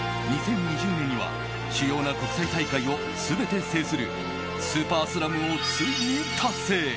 ２０２０年には主要な国際大会を全て制するスーパースラムをついに達成。